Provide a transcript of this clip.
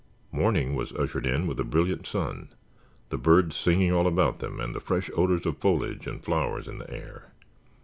Morning was ushered in with a brilliant sun, the birds singing all about them and the fresh odors of foliage and flowers in the air.